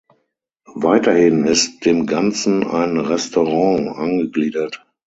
Weiterhin ist dem Ganzen ein Restaurant angegliedert.